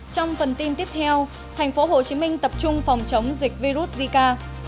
trong phần tin tiếp theo tp hcm tập trung phòng chống dịch virus zika